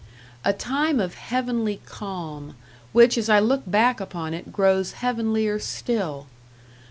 A time of heavenly calm which as I look back upon it grows heavenlier still!